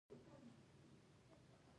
له احمقانو نه په مخ ګرځولو اندېښنه نشته.